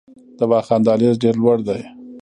د واخان دهلیز ډیر لوړ دی